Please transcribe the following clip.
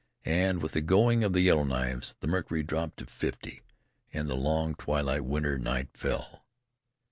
And with the going of the Yellow Knives the mercury dropped to fifty, and the long, twilight winter night fell.